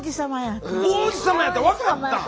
王子さまやって分かったん？